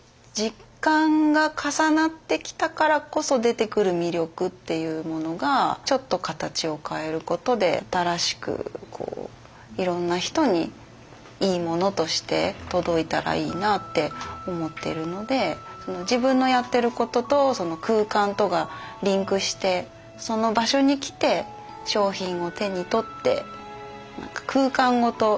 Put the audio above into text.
時間が重なってきたからこそ出てくる魅力っていうものがちょっと形を変えることで新しくいろんな人にいいものとして届いたらいいなって思ってるので自分のやってることと空間とがリンクしてその場所に来て商品を手に取って空間ごといいなって感じてもらえたら。